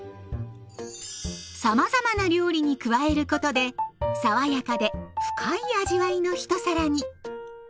さまざまな料理に加えることで爽やかで深い味わいの一皿に。